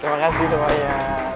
terima kasih semuanya